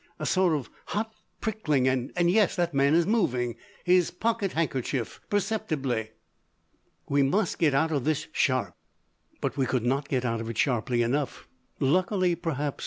A sort of hot pricking and yes. That man's moving his pocket handkerchief! Perceptibly. We must get out of this sharp." But we could not get out of it sharply enough. Luckily, perhaps!